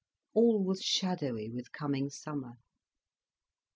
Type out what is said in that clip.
All was shadowy with coming summer.